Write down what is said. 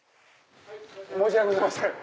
申し訳ございません